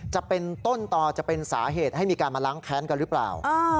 จะเป็นต้นต่อจะเป็นสาเหตุให้มีการมาล้างแค้นกันหรือเปล่า